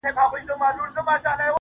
ستا د غزلونو و شرنګاه ته مخامخ يمه,